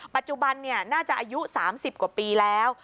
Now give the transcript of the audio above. ปัจจุบันน่าจะอายุ๓๐กว่าปีแล้ว